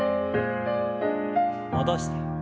戻して。